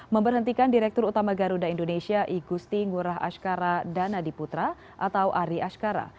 memberhentikan direktur utama garuda indonesia igusti ngurah ashkara dan adiputra atau ari ashkara